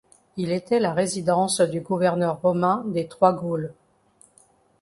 Il était la résidence du gouverneur romain des Trois Gaules.